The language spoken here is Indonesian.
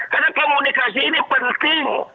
karena komunikasi ini penting